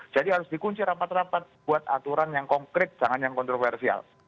jadi harus dikunci rapat rapat buat aturan yang konkret jangan yang kontroversial